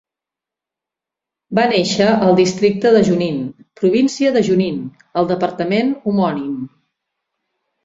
Va néixer al districte de Junín, província de Junín, al departament homònim.